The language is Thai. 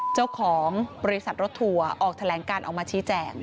เจ้าของบริษัทรถทัวร์ออกแถลงการออกมาชี้แจง